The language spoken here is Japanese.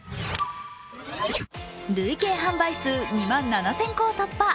累計販売数２万７０００個を突破。